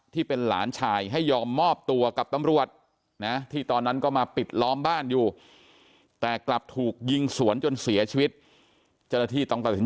ที่เป็นหลานชายให้ยอมมอบตัวกับตำรวจนะที่ตอนนั้นก็มาปิดล้อมบ้านอยู่แต่กลับถูกยิงสวนจนเสียชีวิตเจ้าหน้าที่ต้องตัดสิน